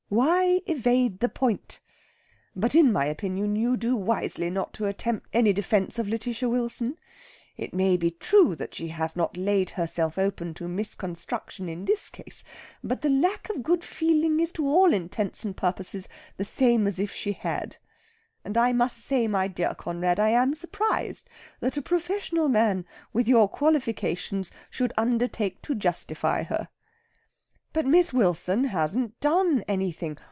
Why evade the point? But in my opinion you do wisely not to attempt any defence of Lætitia Wilson. It may be true that she has not laid herself open to misconstruction in this case, but the lack of good feeling is to all intents and purposes the same as if she had; and I must say, my dear Conrad, I am surprised that a professional man with your qualifications should undertake to justify her." "But Miss Wilson hasn't done anything!